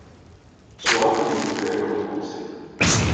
Ttuɣ akk imdukal-iw n temẓi.